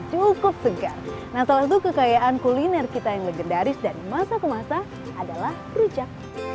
cukup segar nah salah satu kekayaan kuliner kita yang legendaris dari masa ke masa adalah rujak